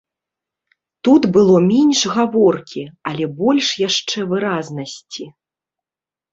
Тут было менш гаворкі, але больш яшчэ выразнасці.